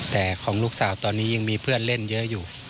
แต่ของลูกสาวตอนนี้ยังมีเพื่อนเล่นเยอะอยู่